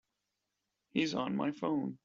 He's on my phone.